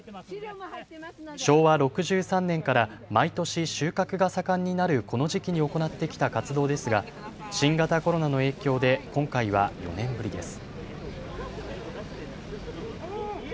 昭和６３年から毎年、収穫が盛んになるこの時期に行ってきた活動ですが新型コロナの影響で今回は４年ぶりです。